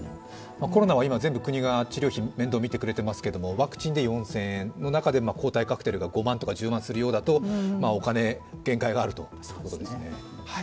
コロナは今、全部国が治療費面倒を見てくれていますがワクチンで４０００円の中で抗体カクテルが５万とか１０万とかすると、お金、限界があるということですね